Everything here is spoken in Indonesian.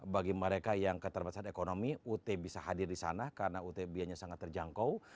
bagi mereka yang keterbatasan ekonomi ut bisa hadir di sana karena ut biayanya sangat terjangkau